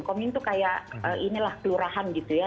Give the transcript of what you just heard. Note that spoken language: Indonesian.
komyun itu kayak inilah kelurahan gitu ya